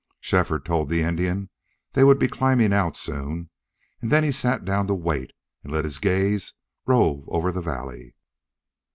Shefford told the Indian they would be climbing out soon, and then he sat down to wait and let his gaze rove over the valley.